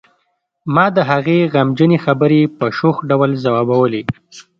ما د هغې غمجنې خبرې په شوخ ډول ځوابولې